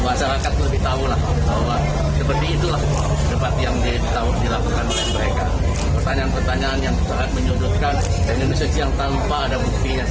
dan ini sejak siang tanpa ada buktinya sama sekali